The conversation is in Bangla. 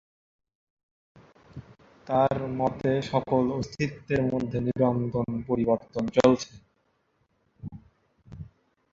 তার মতে সকল অস্তিত্বের মধ্যে নিরন্তর পরিবর্তন চলছে।